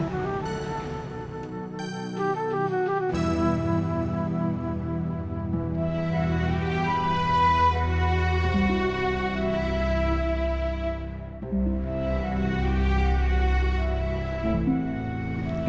dan bisa menjaga kehidupan